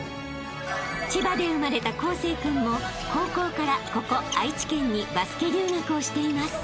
［千葉で生まれた康成君も高校からここ愛知県にバスケ留学をしています］